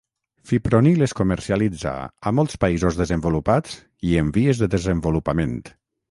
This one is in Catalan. Fipronil es comercialitza a molts països desenvolupats i en vies de desenvolupament.